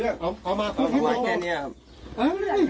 เอามากี่เครื่อง